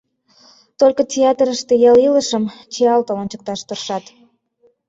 Только театрыште ял илышым чиялтыл ончыкташ тыршат.